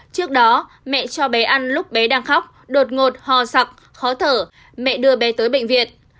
trước đó mẹ cho bé ăn lúc bé đang khóc đột ngột hò sặc khó thở mẹ đưa bé tới bệnh viện